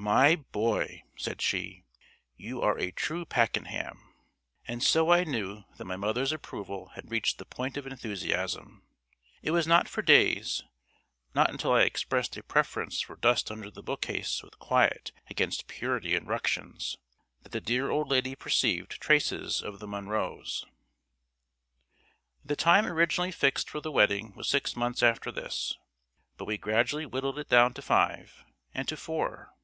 "My boy," said she, "you are a true Packenham." And so I knew that my mother's approval had reached the point of enthusiasm. It was not for days not until I expressed a preference for dust under the bookcase with quiet, against purity and ructions that the dear old lady perceived traces of the Munros. The time originally fixed for the wedding was six months after this; but we gradually whittled it down to five and to four.